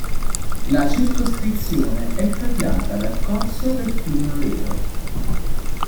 La circoscrizione è tagliata dal corso del Fiume Oreto.